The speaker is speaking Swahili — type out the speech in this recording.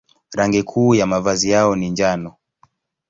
Rangi kuu ya mavazi yao ni njano.